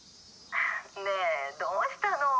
ねえどうしたの？